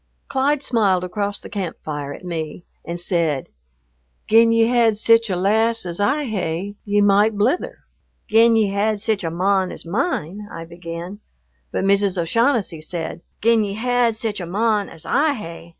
Clyde smiled across the camp fire at me and said, "Gin ye had sic a lass as I hae, ye might blither." "Gin ye had sic a mon as mine " I began, but Mrs. O'Shaughnessy said, "Gin ye had sic a mon as I hae."